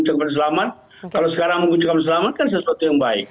kalau sekarang mengucapkan selamat kan sesuatu yang baik